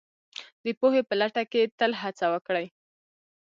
د پوهې په لټه کې تل هڅه وکړئ